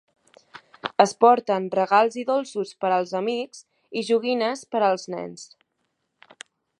Es porten regals i dolços per als amics i joguines per als nens.